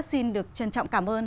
xin được trân trọng cảm ơn